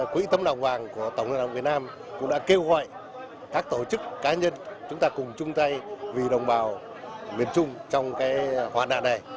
quỹ tấm lòng hoàng của tổng hợp việt nam cũng đã kêu gọi các tổ chức cá nhân chúng ta cùng chung tay vì đồng bào miền trung trong hoạt đạ này